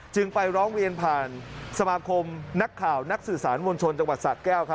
ไปร้องเรียนผ่านสมาคมนักข่าวนักสื่อสารมวลชนจังหวัดสะแก้ว